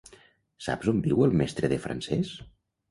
Saps on viu el mestre de francès?